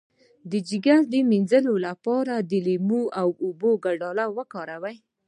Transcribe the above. د ځیګر د مینځلو لپاره د لیمو او اوبو ګډول وکاروئ